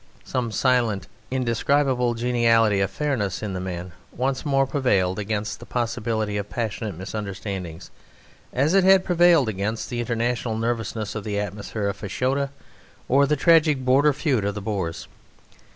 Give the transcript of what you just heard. Some silent indescribable geniality of fairness in the man once more prevailed against the possibility of passionate misunderstandings, as it had prevailed against the international nervousness of the atmosphere of Fashoda or the tragic border feud of the Boers.